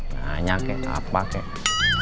nanya kek apa kek